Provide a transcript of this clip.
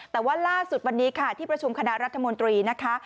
แต่ว่าล่าสุดวันนี้ค่ะที่ประชุมคณะรัฐมนตรีนะคะ